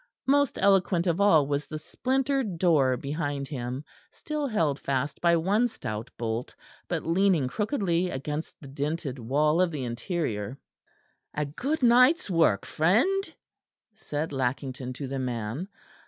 Most eloquent of all was the splintered door behind him, still held fast by one stout bolt, but leaning crookedly against the dinted wall of the interior. "A good night's work, friend," said Lackington to the man.